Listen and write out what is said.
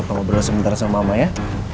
apa ngobrol sebentar sama mama ya